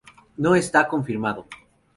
No está confirmado.